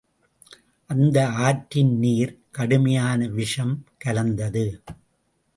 அந்த ஆற்றின் நீர் கடுமையான விஷம் கலந்தது.